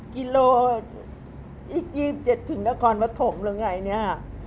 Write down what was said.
กิโลอีก๒๗ถึงนครปฐมหรือไงเนี่ย